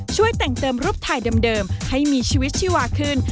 ช่วยแต่งเติมรูปถ่ายเดิมให้มีชีวิตชีวาขึ้น